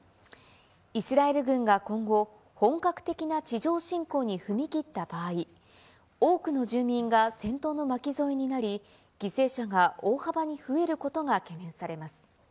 イスラエル軍が今後、本格的な地上侵攻に踏み切った場合、多くの住民が戦闘の巻き添えになり、犠牲者が大幅に増えることが懸念されます。